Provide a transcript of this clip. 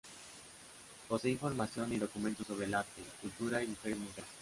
Posee información y documentos sobre el arte, cultura y mujeres mexicanas.